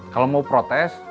kalau mau protes